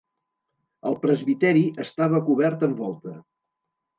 El presbiteri estava cobert amb volta.